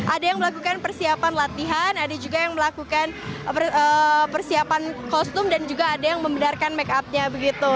ada yang melakukan persiapan latihan ada juga yang melakukan persiapan kostum dan juga ada yang membenarkan make up nya begitu